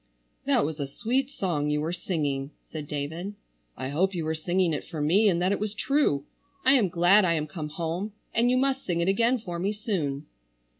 "That was a sweet song you were singing," said David. "I hope you were singing it for me, and that it was true! I am glad I am come home, and you must sing it again for me soon."